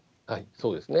そうですね。